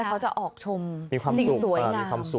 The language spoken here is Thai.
แล้วเขาจะออกชมสิ่งสวยงาม